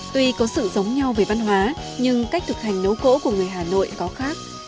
tuy có sự giống nhau về văn hóa nhưng cách thực hành nấu cỗ của người hà nội có khác